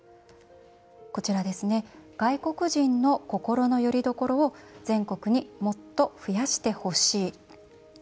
外国人の心のよりどころを全国にもっと増やしてほしい。